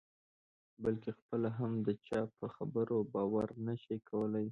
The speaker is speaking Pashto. بلکې خپله هم د چا په خبرو باور نه شي کولای.